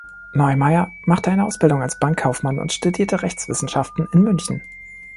Neumeyer machte eine Ausbildung als Bankkaufmann und studierte Rechtswissenschaften in München.